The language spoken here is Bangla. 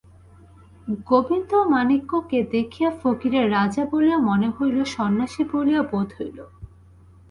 গোবিন্দমাণিক্যকে দেখিয়া ফকিরের রাজা বলিয়াও মনে হইল সন্ন্যাসী বলিয়াও বোধ হইল।